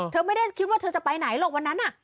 เธอไม่ได้คิดว่าเธอจะไปไหนหรอกวันนั้น